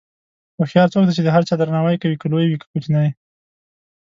هوښیار څوک دی چې د هر چا درناوی کوي، که لوی وي که کوچنی.